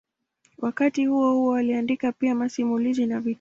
Wakati huohuo aliandika pia masimulizi na vitabu.